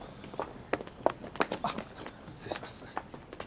あっどうも失礼します。